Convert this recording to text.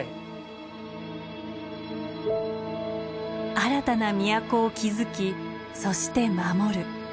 新たな都を築きそして守る。